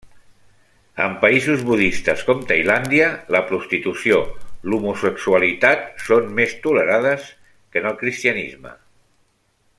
En països budistes com Tailàndia, la prostitució, l'homosexualitat són més tolerades que en el cristianisme.